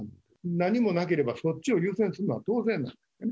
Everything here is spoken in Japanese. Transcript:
何もなければ、そっちを優先するのは当然なんですね。